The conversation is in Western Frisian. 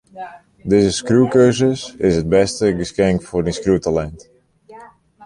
Dizze skriuwkursus is it bêste geskink foar dyn skriuwtalint.